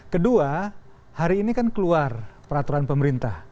kedua hari ini kan keluar peraturan pemerintah